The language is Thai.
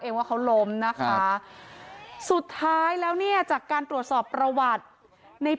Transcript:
ว่าเขาล้มนะคะสุดท้ายแล้วเนี่ยจากการตรวจสอบประวัติใน